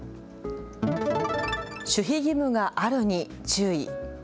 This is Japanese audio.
守秘義務があるに注意。